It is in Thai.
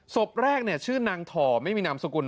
ศพแรกเนี่ยชื่อนางทอไม่มีนามสกุล